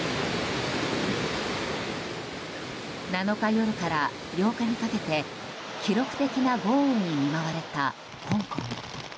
７日夜から８日にかけて記録的な豪雨に見舞われた香港。